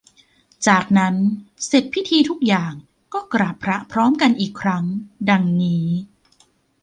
จากนั้นเสร็จพิธีทุกอย่าง ก็กราบพระพร้อมกันอีกครั้ง ดังนี้